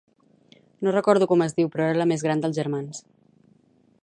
No recordo com es diu, però era la més gran dels germans.